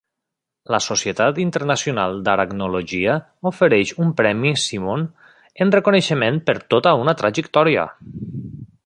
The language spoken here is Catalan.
La Societat internacional d'aracnologia ofereix un premi Simon en reconeixement per tota una trajectòria.